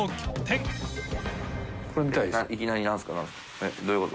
えっどういうこと？